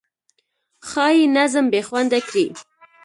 ښایي نظم بې خونده کړي.